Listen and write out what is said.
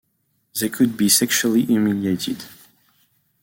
They could be sexually humiliated.